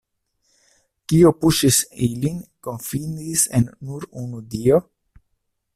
Kio puŝis ilin konfidis en nur unu Dio?